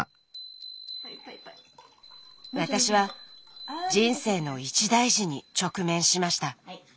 私は人生の一大事に直面しました。